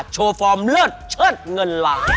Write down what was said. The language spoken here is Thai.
โชฟอร์มเลิศเชิดเงินหลัง